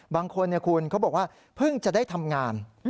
บางคนคุณเขาบอกว่าเพิ่งจะได้ทำงาน